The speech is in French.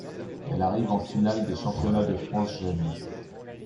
Elle arrive en finale des championnats de France jeunes.